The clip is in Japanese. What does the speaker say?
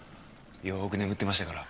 よく眠ってましたから。